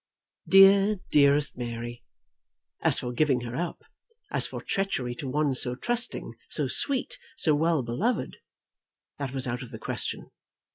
Dear, dearest Mary. As for giving her up, as for treachery to one so trusting, so sweet, so well beloved, that was out of the question.